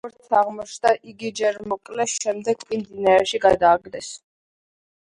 როგორც აღმოჩნდა იგი ჯერ მოკლეს, შემდეგ კი მდინარეში გადააგდეს.